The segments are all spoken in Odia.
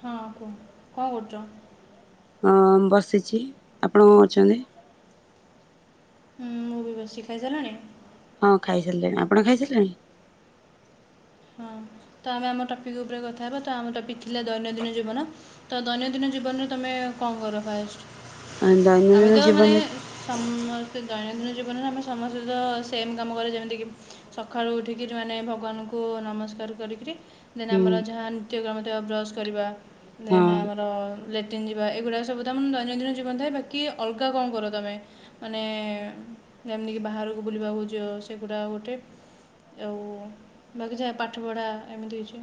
ହଁ କୁହ କଣ କରୁଚ? ହଁ ବସିଛି ଆପଣ କଣ କରୂଚନ୍ତି? ହୁଁ ମୁଁ ବି ବସିଚି ଖାଇ ସାରିଲଣି? ହଁ ଖାଇ ସାରିଲେଣି ଆପଣ ଖାଇସାରିଲେଣି? ହଁ ତ ଆମେ ଆମ ଟପିକ୍ ଉପରେ କଥା ହେବା ତ ଆମ ଟପିକ୍ ଥିଲା ଦୈନନ୍ଦିନ ଜୀବନ। ତ ଦୈନନ୍ଦିନ ଜୀବନରେ ତମେ କଣ କର ଫାଷ୍ଟ ଆମେ ଦୈନନ୍ଦିନ ତ ମାନେ ଜୀବନରେ ସମସ୍ତେ ଦୈନନ୍ଦିନ ଜୀବନରେ ଆମେ ସମସ୍ତେ ତ ସେମ୍ କାମ କରେ ଯେମିତିକି ସକାଳୁ ଉଠିକି ମାନେ ଭଗବାନଙ୍କୁ। କୁ ନମସ୍କାର କରିକି ଦେନ୍ ହୁଁ ଆମର ଯାହା ନିତ୍ୟକ୍ରମ ଥିବା ବ୍ରସ୍ କରିବା। ଦେନ ହଁ ଆମର। ଲାଟି୍ରନ୍ ଯିବା ଏଗୁଡ଼ା ସବୁ ତମର ଦୈନନ୍ଦିନ ଜୀବନ ଥାଏ ବାକି ଅଲଗା କଣ କର ତମେ। ମାନେ ଯେମିତିକି ବାହାରକୁ ବୁଲିବାକୁ ଯାଅ ସେଗୁଡ଼ାକ ଗୋଟେ। ଆଉ ବାକି ଜଆ ପାଠପଢ଼ା ଏମିତି ହେଇଛି।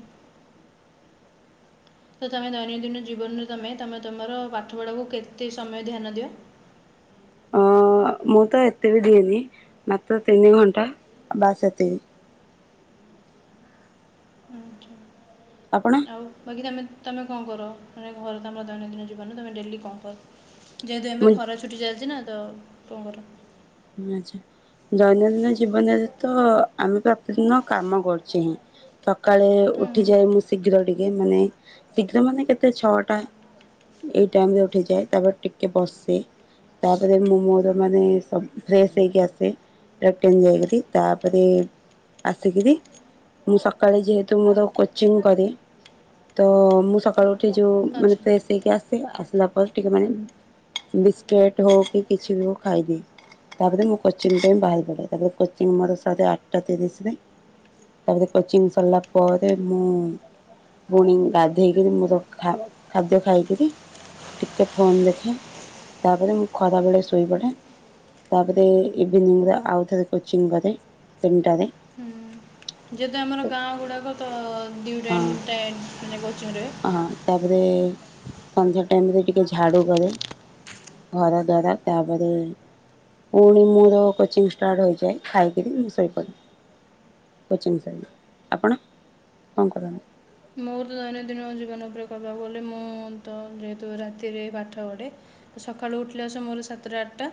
ତ ତୁମେ ଦୈନନ୍ଦିନ ଜୀବନରେ ତୁମେ ତୁମେ ତୁମର ପାଠପଢ଼ାକୁ କେତେ ସମୟ ଧ୍ୟାନ ଦିଅ। ଅ ମୁଁ ତ ଏତିବି ଦିିନି ମାତ୍ର ତିନି ଘଣ୍ଟା ବାସ ଏତିକି। ଆଚ୍ଛା ଆପଣ ଆଉ ବାକି ତମେ କଣ କର ମାନେ ଘରେ କାମତମର ଦୈନନ୍ଦିନ ଜୀବନ ତମେ ଡେଲି କଣ କର। ଯେହେତୁ ଏବେ ମୁଁ ଖରା ଛୁଟି ଚାଲିଛି ନା ତ କଣ? କରର। ଆଛା। ଦୈନନ୍ଦିନ ଜୀବନରେ ତ ଆମେ ପ୍ରତିଦିନ କାମ କରୁଛେ। ସକାଳେ ହୁଁ ଉଠିଯାଏ ମୁଁ ଶୀଘ୍ର ଟିକେ ମାନେ ମାନେ କେତେ ଛଅଟା। ଏଇ ଟାଇମ ରେ ଉଠେ ଯାଇ ତାପରେ ଟିକେ ବସେ। ତାପରେ ମୁଁ ମୋର ମାନେ ସବୁ। ଫ୍ରେଶ ହେଇକି ଆସେ ଲାଟିନ ଯାଇକି ତାପରେ ଆସିକିରି ମୁଁ ସକାଳେ ଯେହେତୁ ମୋର କୋଚିଂ କରେ ତ ମୁଁ। ସକାଳୁ ଉଠି ଯୋଉ ଆଚ୍ଛା ମାନେ ଫ୍ରେଶସ୍ ହେଇକି ଆସିଲା। ଟିକେ ମାନେ ବିସ୍କଟ ହଉ କି କିଛି ବି ହଉ ଖାଇଦିଏ। ତାପରେ ମୁଁ କୋଚିଂ ପାଇଁ ବାହାରି ପଡ଼େ ତାପରେ କୋଚିଂ ମୋର ସାଢ଼େ ଆଠଟା ତିରିଶି ରେ। ତାପରେ କୋଚିଂ ସରିଲା ପରେ ମୁଁ ପୁଣି ଗାଧେଇକିରି ମୁଁ ତ ଖାଦ୍ୟ ଖାଇକିରି ଟିକେ ଫୋନ୍ ଦେଖେ, ତାପରେ ମୁଁ ଖରାବେଳେ ଶୋଇପଡ଼େ। ତାପରେ ଏବେ ମୁଁ ଆଉଥରେ କୋଚିଂ କରେ ତିନିଟାରେ। ହୁଁ ଯେହେତୁ ଆମର ଗାଁ ଗୁଡାକ ତ ହଁ ଦିଟାଇମ ମାନେ କୋଚିଂରେ ହଁ ତାପରେ ସନ୍ଧ୍ୟା ଟାଇମରେ ଟିକେ ଝାଡ଼ୁ କରେ। ଘର ଦ୍ୱାର ତାପରେ ପୁଣି ମୋର କୋଚିଂ ଷ୍ଟାର୍ଟ ହୋଇଯାଏ ଖାଇକିରି ମୁଁ ଶୋଇପଡେ। କୋଚିଂ ସାର, ଆପଣ କଣ କରନ୍ତି? ମୋର ତ ଦୈନନ୍ଦିନ ଜୀବନ ଉପରେ କହିବାକୁ ଗଲେ- ମୁଁ ତ ଯେହେତୁ ରାତିରେ ପାଠ ପଢ଼େ। ସକାଳୁ ଉଠିଲା ସମୟର ସାତଟା ଆଠଟା,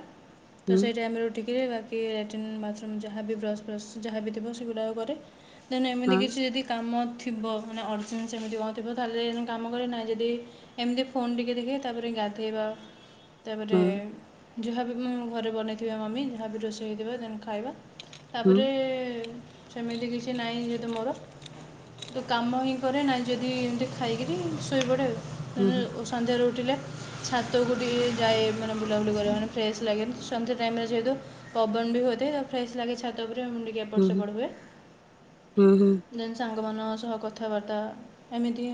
ତ ହୁଁ ସେଇ ଟାଇମ ରେ ଉଠିକିରି କି ଲାଟ୍ରିନ୍ ବାଥରୁମ୍ ଯାହା ବି ବର୍ଷ ଫର୍ସ ଯାହାବି ଥିବ ସେଗୁଡାକ କରେ, ଦେନ ଏମିତି ହଁ କିଛି ଯଦି କାମ ଥିବ, ମାନେ ଅର୍ଜଣ୍ଟ ସେମିତି କଣ ଥିବ ତାହେଲେ କାମ କରେ, ନାହିଁ ଯଦି ଏମିତି ଫୋନ ଟିକେ ଦେଖେ, ତାପରେ ଗାଧେଇବା। ତାପରେ ହୁଁ ଯାହାବି ଘରେ ବନେଇଥିବ ମମି, ଯାହାବି ରୋଷେଇ ହୋଇଥିବ, ଦେନ ଖାଇବା। ହୁଁ ତାପରେ ସେମିତି କିଛି ନାହିଁ ଯେହେତୁ ମୋର, ତୁ କାମ ହିଁ କରେ, ନାହିଁ ଯଦି ଏମିତି ଖାଇକିରି ଶୋଇପଡ଼େ ହୁଁ ତେଣୁଧ ସନ୍ଧ୍ୟାରେ ଉଠିଲେ, ଛାତକୁ ଟିକି ଯାଏ ମାନ ବୁଲାବୁଲି କରେ, ମାନେ ଫ୍ରେଶ୍ ଲାଗେ ସନ୍ଧ୍ୟା ଟାଇମ୍ ଯେହେତୁ। ପବନ ବି ହଉଥାଏ, ଫ୍ରେଶ ଲାଗେ ଛାତ ଉପରେ, ମୁଁ ଟିକେ ଏପଟ ହୁଁ ହୁଁ ସେପଟ ହୁଏ। ହୁଁ ହୁଁ ଦେନ୍ ସାଙ୍ଗମାନଙ୍କ ସହ କଥା କଥାବାର୍ତ୍ତା ଏମିତି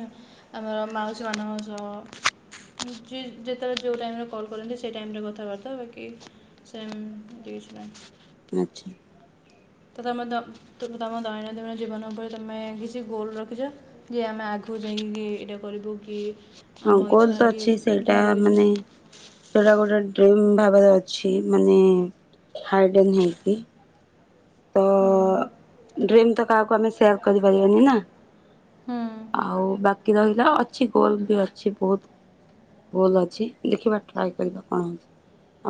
ଆମର ମାଉସୀମାନଙ୍କ ସହ ଯେତେବେଳେ ଯେଉଁ ଟାଇମରେ କଲ୍ କରନ୍ତି ସେ ଟାଇମ ରେ କଥାବାର୍ତ୍ତା, ବାକି ସେମତି କିଛିନାଇଁ। ଆଛା। ତ ତମେ ଦ ତମ ଦୈନଦିନ ଜୀବନ ଉପରେ ତମେ କିଛି ଗୋଲ ରଖିଚ। କି ଆମେ ଆଘୁକୁ ଯାଇଁକି ଏଇଟା କରିବୁ କି ହଁ ଆମ ଗୋଲ୍ ଇଚ୍ଛା ତ କି ଅଛି ସେଇଟା ଯାହା ବି କିଛି ମାନେ ସେଟା ଗୋଟେ ଡ୍ରିମ୍ ଭାବରେ ଅଛି ମାନେ ହାଇଡେନ୍ ହେଇକି ତ ଡ୍ରିମ୍ ତ କାଆକୁ ଆମେ ସେୟାର୍ କରିପାରିବାନି ନା। ଆଉ ବାକି ରହିଲା ଅଛି ଗୋଲ୍ ବି ଅଛି ବହୁତ୍। ଗୋଲ୍ ଅଛି ଦେଖିବା ଟ୍ରାଏ କରିବା କଣ ହଉଚି।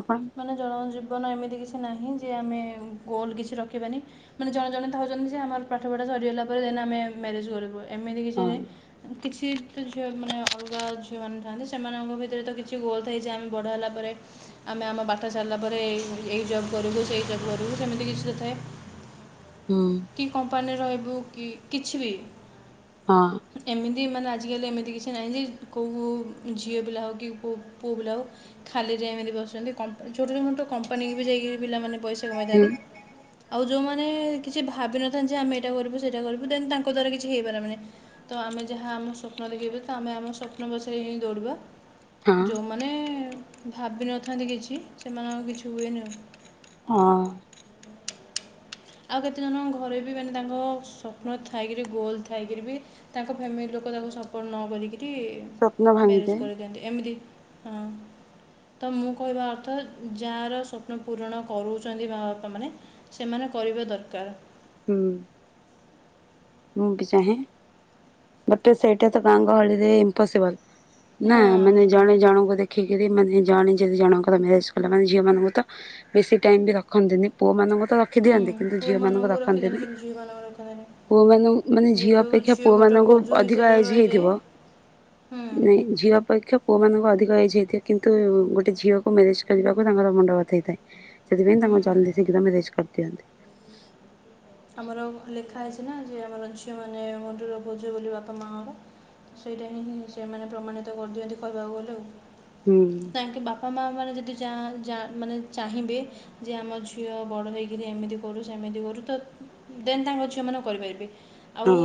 ଆପଣ ମାନେ ଜଣ ଜୀବନ ଏମିତି କିଛି ନାହିଁ ଯେ ଆମେ ଗୋଲ୍ କିଛି ରଖିବାନି ମାନେ ଜଣେ ଜଣେ ଥାଉଚନ୍ତି ଯେ ଆମର ପାଠପଢା ସରିଗଲା ପରେ ଆମେ ମ୍ୟାରେଜ୍ କରିବୁ ଏମିତି କିଛି ହଁ ନାଇଁ। କିଛି ତ ଝିଅ ମାନେ ଅଲଗା ଝିଅମାନେ ଥାଆନ୍ତି ସେମାନଙ୍କ ଭିତରେ ତ କିଛି ଗୋଲ୍ ଥାଏ ଯେ ଆମେ ବଡ଼ ହେଲା ପରେ ଆମେ ଆମ ପାଠ ସାରିଲା ପରେ ଏଇ ଜବ୍ କରିବୁ ସେଇ ଜବ୍ କରିବୁ ସେମିତି କିଛି ତ ଥାଏ। ହୁଁ କି କମ୍ପାନୀ ରହିବୁ କି କିଛି ବି? ହଁ। ଏମିତି ମାନେ ଆଜିକାଲି ଏମିତି କିଛି ନାହିଁ ଯେ କୋଉ ଝିଅ ପିଲା ହଉ କି କୋଉ ପୁଅ ପିଲା ହଉ ଖାଲିରେ ଏମିତି ବସଚନ୍ତି ଛୋଟ ଛୋଟ କମ୍ପାନୀକୁ ବି ଯାଇକିରି ପିଲାମାନେ ପଇସା ହୁଁ କମାଇଥାନ୍ତି। ଆଉ ଯୋଉମାନେ କିଛି ଭାବିନଥାନ୍ତି ଯେ ଆମେ ଏଇଟା କରିବୁ ସେଇଟା କରିବୁ ଦେନ୍ ତାଙ୍କ ଦ୍ଵାରା କିଛି ହେଇପାରିବନି। ତ ଆମେ ଯାହା ଆମ ସ୍ୱପ୍ନ ଦେଖିବି ତ ଆମେ ଆମ ସ୍ୱପ୍ନ ପଛରେ ହିଁ ଦୌଡ଼ିବା। ହଁ ଯୋଉମାନେ ଭାବିନଥାନ୍ତି କିଛି ସେମାନଙ୍କ କିଛି ହୁଏନି ଆଉ। ହଁ। [inaudible] ଆଉ କେତେଜଣ ଘରେ ବି ମାନେ ତାଙ୍କ ସ୍ୱପ୍ନ ଥାଇକିରି ଗୋଲ୍ ଥାଇକିରି ବି ତାଙ୍କ ଫ୍ୟାମିଲି ଲୋକ ତାଙ୍କୁ ସପୋର୍ଟ ନ କରିକିରି ସ୍ୱପ୍ନ ମ୍ୟାରେଜ୍ ଭାଙ୍ଗିଯାଏ କରିଦିଅନ୍ତି ଏମିତି ହଁ ତ ମୁଁ କହିବା ଅର୍ଥ ଯାଆର ସ୍ୱପ୍ନ ପୂରଣ କରୁଛନ୍ତି ଭା ତ ମାନେ ସେମାନେ କରିବା ଦରକାର୍। ହୁଁ ମୁଁ ବି ଚାହେଁ ବଟ୍ ସେଇଟା ତ ଗାଁ ଗହଳିରେ ଇମ୍ପପସିବଲ୍। ନା ହଁ ମାନେ ଜଣେ ଜଣଙ୍କୁ ଦେଖିକିରି ମାନେ ଜଣେ ଯଦି ଜଣଙ୍କର ମ୍ୟାରେଜ୍ କଲା ମାନେ ଝିଅ ମାନଙ୍କୁ ତ ବେଶୀ ଟାଇମ ବି ରଖନ୍ତିନି ପୁଅ ମାନଙ୍କୁ ତ ରଖି ହୁଁ ଦିଅନ୍ତି କିନ୍ତୁ ଝିଅ ମାନଙ୍କୁ ପୁଅମାନଙ୍କୁ ରଖନ୍ତିନି। [unintelligible] ପୁଅ ମାନେ ମାନେ ଝିଅ ଯେହେତୁ ଅପେକ୍ଷା ଝିଅ ପୁଅ ଗୋଟେ ମାନଙ୍କୁ ବୋଝ ଅଧିକ ହିସାବରେ ଏଜ୍ ରହିଯାଏ ହେଇଥିବ ହୁଁ ନାଇଁ ଝିଅ ଅପେକ୍ଷ ପୁଅ ମାନଙ୍କୁ ଅଧିକ ଏଜ୍ ହେଇଥାଏ କିନ୍ତୁ ଗୋଟେ ଝିଅକୁ ମ୍ୟାରେଜ୍ କରିବାକୁ ତାଙ୍କର ମୁଣ୍ଡ ବଥେଇ ଥାଏ। ସେଥିପାଇଁ ତାଙ୍କୁ ହୁଁ ଜଲ୍ଦି ଶିଘ୍ର ମ୍ୟାରେଜ୍ କରିଦିଅନ୍ତି। ଆମର ଲେଖା ହେଇଛି ନା ଯେ ଆମର ଝିଅ ମାନେ ମୁଣ୍ଡର ବୋଝ ବୋଲି ବାପା ମାର। ସେଇଟା ହିଁ ମୁଁ ସେମାନେ ପ୍ରମାଣିତ କରିଦିଅନ୍ତି କହିବାକୁ ଗଲେ ଆଉ। ହୁଁ କହିଁକି ବାପା ମା ମାନେ ଯଦି ଯା ଯା ମାନେ ଚାହିଁବେ ଯେ ଆମ ଝିଅ ବଡ଼ ହେଇ କିରି ଏମିତି କରୁ ସେମିତି କରୁ ତ ଦେନ୍ ତାଙ୍କ ଝିଅମାନ କରିପାରିବେ ହଁ ଆଉ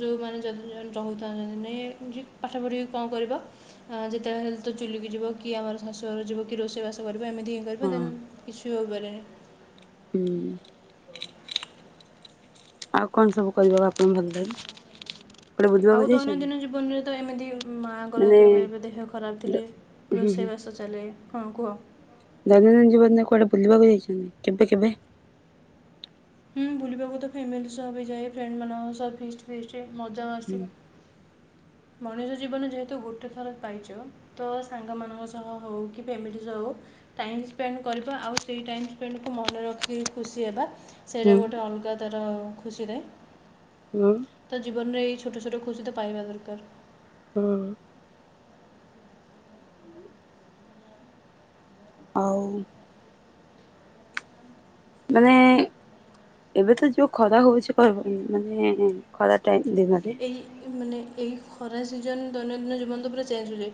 ଯୋଉମାନେ [unintelligible] [unintelligible] ପାଠ ପଢ଼ିକି କଁ କରିବ? ହଁ ଯେତେଏଳେ ହେଲେ ତ ଚୁଲିକୁ ଯିବ କି ଆମର ଶାଶୁ ଘର ଯିବ କି ରୋଷେଇବାସ କରିବ ଏମିତି ହିଁ ହଁ [unintelligible] କିଛୁ ହୋଇ ପାରେନି। ହୁଁ ଆଉ କଣ ସବୁ କରିବାକୁ ଆପଣଙ୍କୁ ଭଲ ଲାଗେ? କୁଆଡେ ବୁଲିବାକୁ ଆଉ ଯାଇଛନ୍ତି ଦୈନନ୍ଦିନ ଜୀବନ ରେ ତ ଏମିତି ମାଆଙ୍କର ମାନେ କେବେ ଏବେ ଦେହ ଖରାପ ଥିଲେ। ହୁଁ ହୁଁ ରୋଷେଇବାସ ଚାଲେ। ହଁ କୁହ? ଦୈନନ୍ଦିନ ଜୀବନରେ କୁଆଡେ ବୁଲିବାକୁ ଯାଇଛନ୍ତି କେବେ କେବେ? ହୁଁ ବୁଲିବାକୁ ତ ଫ୍ୟାମିଲି ସହ ବି ଯାଏ। ଫ୍ରେଣ୍ଡ ମାନଙ୍କ ସହ ଫିଷ୍ଟ୍ ଫିଷ୍ଟ ମଜାମସ୍ତି ମଣିଷ ଜୀବନ ଯେହେତୁ ଗୋଟେ ଥର ପାଇଚ ତ ସାଙ୍ଗମାନାନଙ୍କ ସହ ହଉ କି ଫ୍ୟାମିଲି ସହ ହଉ ଟାଇମ ସ୍ପେଣ୍ଡ କରିବା। ଆଉ ସେଇ ଟାଇମ ସ୍ପେଣ୍ଡକୁ ମନେ ରଖିକି ଖୁସି ହେବା। ହୁଁ ସେଇଟା ଗୋଟେ ଅଲଗା ତାର ଖୁସିରେ। ହଁ। ତ ଜୀବନରେ ଏଇ ଛୋଟ ଛୋଟ ଖୁସି ତ ପାଇବା ଦରକାର। ହଁ। ଆଉ ମାନେ ଏବେ ତ ଯୋଉ ଖରା ହଉଛି କହିବନି ମାନେ ଖରା ଟାଇମ ଦିନଟେ। ଏଇ ମାନେ ଏଇ ଖରା ସିଜନ ଦୈନନ୍ଦିନ ଜୀବନ ତ ପୁରା ଚେଞ୍ଜ ହଉଛି।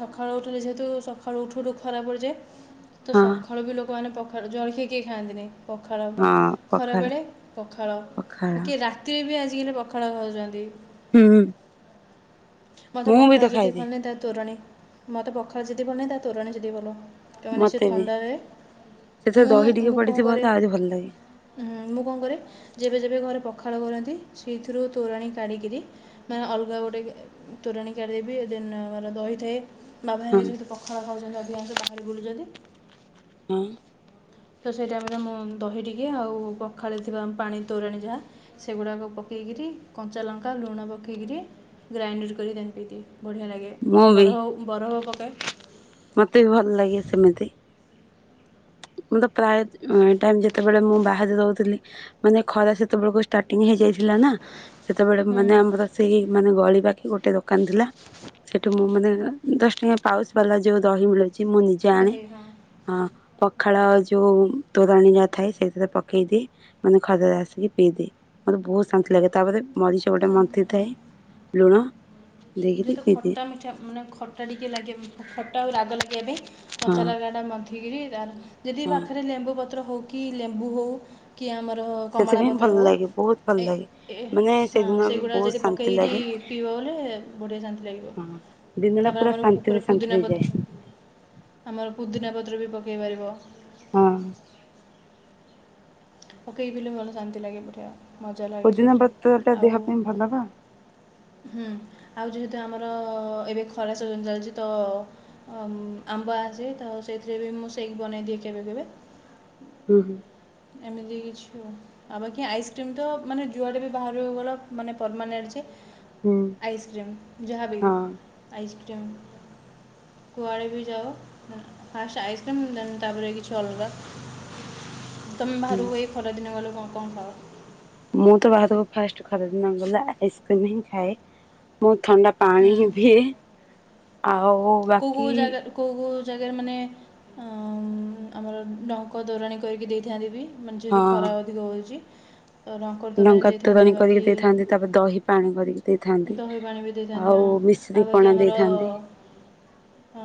ସଖାଳୁ ଉଠିଲେ ଯେହେତୁ ସକାଳୁ ଉଠୁ ଉଠୁ ଖରା ପଡ଼ିଯାଏ। ତ ହଁ ସଖାଳୁ ବି ଲୋକମାନେ ପଖାଳ। ଜଳଖିଆ କିଏ ଖାଆନ୍ତିନି। ପଖାଳ ହଁ ପଖାଳ ଖରାବେଳେ ପଖାଳ ପଖାଳ କିଏ ରାତିରେ ବି ଆଜିକାଲି ପଖାଳ ଖାଉଛ [inaudible] ହୁଁ। ମତେ ମୁଁ ବି ପଖାଳ ତ ଯେତିକି ଖାଇଦିଏ ଭଲ ନାହିଁ ତା ତୋରଣୀ। ମୋତେ ପଖାଳ ଯେତିକି ଭଲନାହିଁ ତା ତୋରଣୀ ସେତିକି ଭଲ। ସେମାନେ ସେ ମତେ ବି। ଥଣ୍ଡାରେ ସେଥିରେ ମୁଁ ଦହି ଟିକେ ମୁଁ କଣ ପଡିଥିବ କରେ ତ ଆହୁରି ଭଲ ଲାଗେ ମୁଁ କଣ କରେ ଯେବେ ଯେବେ ଘରେ ପଖାଳ କରନ୍ତି ସେଇଥିରୁ ତୋରାଣୀ କାଢ଼ିକିରି ମାନେ ଅଲଗା ଗୋଟେ ତୋରାଣି କାଢ଼ିଦେବି ଦେନ୍ ଦହି ଥାଏ। ବାବା ହଁ ଭାଇ ସେମିତି ପଖାଳ ଖାଉଛନ୍ତି ଅଧିକାଂଶ ବାହାରେ ବୁଲୁଛନ୍ତି। ହଁ। ତ ସେଇ ଟାଇମରେ ମୁଁ ଦହି ଟିକେ ଆଉ କଖାଳେ ଥିବା ପାଣି ତୋରାଣି ଯାହା ସେଗୁଡ଼ାକ ପକେଇକିରି କଞ୍ଚା ଲଙ୍କା ଲୁଣ ପକେଇକରି ଗ୍ରାଇଣ୍ଡର୍ କରି ତାକୁ ପି ଦିଏ ବଢ଼ିଆ ଲାଗେ। ମୁଁ ବି ବରଫ ହଉ ବରଫ ପକାଏ। ମତେ ବି ଭଲ ଲାଗେ ସେମିତି। ମୁଁ ତ ପ୍ରାୟ ଟାଇମ ଯେତେବେଳେ ମୁଁ ବାହାରେ ରହୁଥିଲି। ମାନେ ଖରା ସେତେବେଳକୁ ଷ୍ଟାର୍ଟିଂ ହେଇଯାଇଥିଲା ନା ସେତେବେଳେ ହୁଁ ମାନେ ଆମର ସେଇ ମାନେ ଗଳି ପାଖି ଗୋଟେ ଦୋକାନ ଥିଲା। ସେଠୁ ମୁଁ ମାନେ ଦଶ ଟଙ୍କା ପାଉଚ୍ ବାଲା ଯୋଉ ଦହି ମିଳୁଛି ମୁଁ ନିଜେ ଆଣେ ଦହି ହଁ ହଁ। ପଖାଳ ଯୋଉ ତୋରାଣି ଯା ଥାଏ ସେଇଥିରେ ପକେଇଦିଏ ମାନେ ଖଜରେ ଆସିକି ପିଇଦିଏ। ମୋତେ ବହୁତ ଶାନ୍ତି ଲାଗେ ତାପରେ ମଝିଚ ଗୋଟେ ମନ୍ଥି ସନ୍ତୁଳା ଥାଏ ହଁ ଲୁଣ ଦେଇକିରି ଯେହେତୁ ପିଇଦିଏ ଖଟା ମିଠା ମାନେ ଖଟା ଟିକେ ଲାଗିବା ଖଟା ଆଉ ରାଗ ଲାଗିବା ପାଇଁ ହଁ ମଚା ଲାଗାଟା ମଧ୍ୟ ଠ ତ ଯଦି ହଁ ପାଖରେ ଲେମ୍ବୁ ପତ୍ର ହଉ କି ଲେମ୍ବୁ ହଉ କି ଆମର କମଳା ସେଥିପାଇଁ ପତ୍ର ଭଲ ହେଉ ଲାଗେ ବହୁତ ଭଲ ଲାଗେ ଏ ମାନେ ସେଦିନ ବି ସେଗୁଡ଼ା ବହୁତ ଯଦି ଶାନ୍ତି ପକେଇକରି ଲାଗେ ପିଇବ ବଢ଼ିଆ ଶାନ୍ତି ଲାଗିବ। ହଁ ଦିନ ଟା ତାପରେ ପୁରା ଆମର ଶାନ୍ତିରେ ଉପରେ ପୁଦିନା ଶାନ୍ତିରେ ଯାଏ ପତ୍ର। ଆମର ପୁଦିନା ପତ୍ର ବି ପକାଇ ପାରିବ। ହଁ। ପକେଇ ପି ଭଲ ଶାନ୍ତି ଲାଗେ ବଢ଼ିଆ ମଜା ଲାଗେ ପୋଦିନା ସେଥିରେ ପତ୍ର ଟା ଦେହ ଆଉ ପାଇଁ ଭଲ ବା ହୁଁ ଆଉ ଯେହେତୁ ଆମର ଏବେ ଖରା ସିଜନ୍ ଚାଲିଛି ତ ଆମ୍ବ ଆସେ ତ ସେଇଥିରେ ବି ମୁଁ ସେକ୍ ବନେଇଦିଏ କେବେ କେବେ। ହୁଁ ହୁଁ। ଏମିତି କିଛି ଆଉ। ଆଉ ବାକି ଆଇସ୍କ୍ରିମ ତ ମାନେ ଯୁଆଡେ ବି ବାହାରୁ ହେଇଗଲା ମାନେ ପରମାନେଣ୍ଟ ଯେ ହୁଁ ଆଇସ୍କ୍ରିମ ଯାହା ବି ହଁ ଆଇସ୍କ୍ରିମ। କୁଆଡ଼େ ବି ଯାଉ ଫାଷ୍ଟ ଆଇମ୍ କ୍ରିମ୍ ଦେନ୍ ଅଲଗା ତମେ ହୁଁ। ବାହାରିବ ଏଇ ଖରାଦିନ ଗଲେ କଣ କଣ ଖାଅ। ମୁଁ ତ ବାହାରକୁ ଫାଷ୍ଟ ଖରା ଦିନ ଗଲେ ଆଇସ୍କ୍ରିମ ହିଁ ଖାଏ ମୁଁ ଥଣ୍ଡା ପାଣି ହୁଁ ବି ଆଉ କୋଉ କୋଉ ବାକି ଜାଗାରୁ କୋଉ କୋଉ ଜାଗାରେ ମାନେ ଆମର ଢଙ୍କ ତୋରାଣି କରିକି ଦେଇଥାନ୍ତି ବି। ମାନେ ଯେହେତୁ ହଁ ଖରା ଅଧିକ ହେଉଛି ତ ଡ଼ଙ୍କର ତରାଣୀ ଲଙ୍କା ଦେଇଥାନ୍ତି ତୋରାଣୀ କରିକି ବାକି ଦେଇଥାନ୍ତି ତାପରେ ଦହି ପାଣି କରିକି ଦେଇଥାନ୍ତି ଦହି ପାଣି ବି ଦେଇଥାନ୍ତି ଆଉ ହଁ ଆଉ ମିଶ୍ରୀପଣା ଦେଇଥାନ୍ତି। ହଁ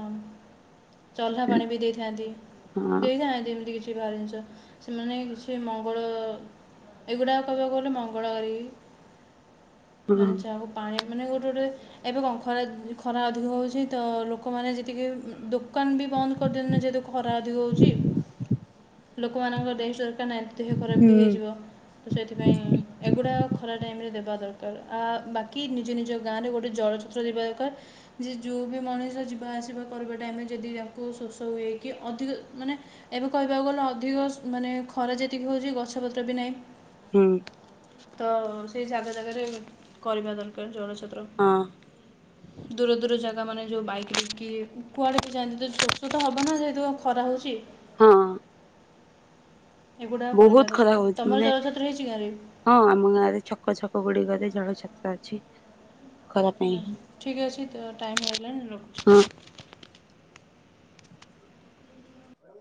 ଚହ୍ଲା ପାଣି ବି ଦେଇଥାନ୍ତି ହଁ ଦେଇଥାନ୍ତି ଏମିତି କିଛି ବାହାର ଜିନିଷ। ସେମାନେ ସେ ମଙ୍ଗଳ ଏଗୁଡା କହିବାକୁ ଗଲେ ମଙ୍ଗଳକାରାର ହଁ ହୁଁ। ମାନେ ଯହା ହଉ ପାଣି ମାନେ ଗୋଟେ ଗୋଟେ ଏବେ କଣ ଖରା ଖରା ଅଧିକ ହେଉଛି ତ ଲୋକମାନେ ଯେତିକି ଦ ଦୋକାନ ବି ବନ୍ଦ କରିଦେଲୁନୁ ଯେହେତୁ ଖରା ଅଧିକ ହଉଛି ଲୋକମାନଙ୍କର ଦେଶ ଦରକାର ନା। ଦେହ ଖରାପ ବି ହେଇଯିବ ହୁଁ ତ ସେଥିପାଇଁ ଏଗୁଡ଼ା ଖରା ଟାଇମ୍ ରେ ଦେବା ଦରକାର ଆ ବାକି ନିଜ ନିଜ ଗାଁ ରେ ଗୋଟେ ଜଳଚତ୍ର ଦେବା ଦରକାର। ଯେ ଯଉ ବି ମଣିଷ ଯିବା ଆସିବା କରିବା ଟାଇମ ରେ ଯଦି ତାଙ୍କୁ ଶୋଷ ହୁଏକି ଅଧିକ ମାନେ ଏବେ କହିବାକୁ ଗଲେ ଅଧିକ ମାନେ ଖରା ଯେତିକି ହଉଛି ଗଛ ପତ୍ର ବି ନାହିଁ। ହୁଁ। ତ ସେଇ ଜାଗା ଜାଗାରେ କରିବା ଦରକାର ଜଳଛତ୍ର। ହଁ। [inaudible] ଦୂର ଦୂର ଜାଗା ମାନେ ଯଉ ବାଇକ୍ କିି କୁଆଡ଼େ କି ଯାଆନ୍ତି ତ ଶୋଷ ତ ହେବ ନା ଯେହେତୁ ଖରା ହେଉଛି। ହଁ। ଏଗୁଡ଼ାକ ବହୁତ କରିବା ଖରା ଦରକାର ହଉଛି ତମର ମାନେ ଜଳଛତ୍ର ହେଇଛି ଗାଁରେ। ହଁ ଆମ ଗାଁରେ ଛକ ଛକ ଗୁଡିକରେ ଜଳଛତ୍ର ଅଛି ଖରା ପାଇଁ ହିଁ। ଠିକ୍ ଅଛି ତ ଟାଇମ୍ ହେଇଗଲାଣି ରଖୁଛି। ହଁ।